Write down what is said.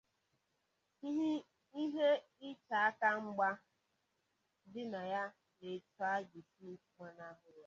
ihe iche aka mgba dị na ya na etu a ga-esi gbanahị ya